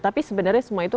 tapi sebenarnya semua itu